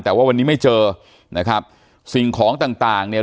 แต่ว่าวันนี้ไม่เจอนะครับสิ่งของต่างต่างเนี่ย